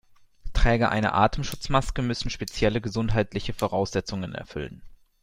Träger einer Atemschutzmaske müssen spezielle gesundheitliche Voraussetzungen erfüllen.